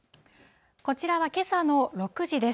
こちらはけさの６時です。